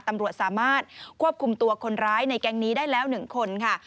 ตำรวจสามารถควบคุมตัวคนร้ายในแก๊งนี้ได้แล้ว๑คนค่ะ